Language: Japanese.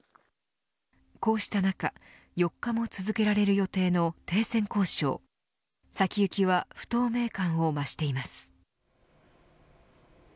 こうした中４日も続けられる予定の停戦交渉先行きは不透明感を増しています。